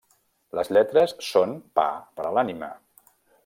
-Les lletres són pa per a l'ànima!